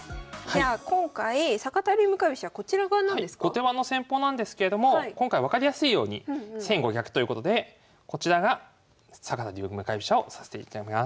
後手番の戦法なんですけれども今回分かりやすいように先後逆ということでこちらが坂田流向かい飛車を指していきたいと思います。